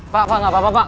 pak pak gak apa apa pak